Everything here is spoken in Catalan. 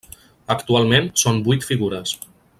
Actualment són vuit figures.